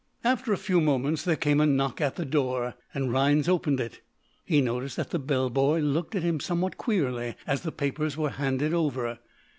After a few moments there came a knock at the door, and Rhinds opened it. He noticed that the bell boy looked at him somewhat queerly as the papers were handed over.